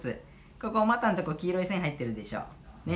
ここお股のとこ黄色い線入ってるでしょ。ね？